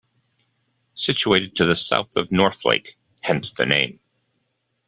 Situated to the south of North Lake, hence the name.